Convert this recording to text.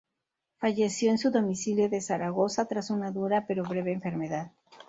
Falleció en su domicilio de Zaragoza, tras una dura pero breve enfermedad.